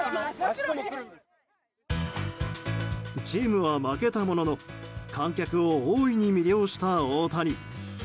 チームは負けたものの観客を大いに魅了した大谷。